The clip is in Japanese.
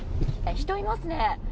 人いますね。